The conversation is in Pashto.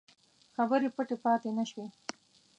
خبرې پټې پاته نه شوې.